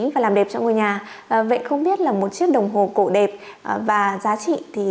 và làm đẹp cho ngôi nhà vậy không biết là một chiếc đồng hồ cổ đẹp và giá trị